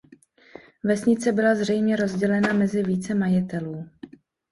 Vesnice byla zřejmě rozdělena mezi více majitelů.